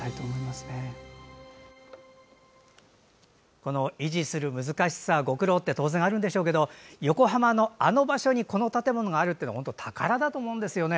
この維持する難しさご苦労は当然あるでしょうが横浜のあの場所にこの建物があるというのはほんとに宝だと思うんですよね。